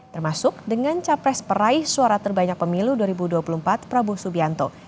termasuk dengan capres peraih suara terbanyak pemilu dua ribu dua puluh empat prabowo subianto